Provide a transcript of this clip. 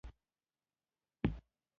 بيتووين کوڼ و او ملټن ړوند و.